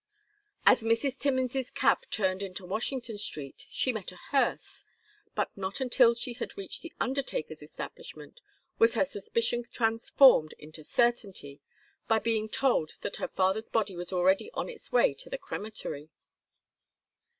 As Mrs. Timmins's cab turned into Washington Street she met a hearse, but not until she had reached the undertaker's establishment was her suspicion transformed into certainty by being told that her father's body was already on its way to the crematory.